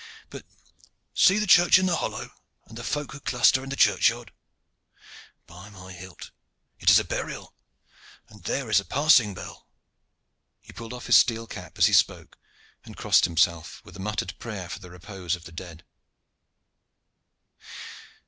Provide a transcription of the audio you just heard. But see the church in the hollow, and the folk who cluster in the churchyard! By my hilt! it is a burial, and there is a passing bell!" He pulled off his steel cap as he spoke and crossed himself, with a muttered prayer for the repose of the dead.